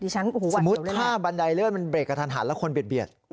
สมมุติถ้าบันไดเลื่อนมันเรกกระทันหันแล้วคนเบียด